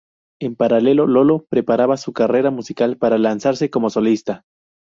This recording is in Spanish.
En paralelo, "Lolo" preparaba su carrera musical para lanzarse como solista.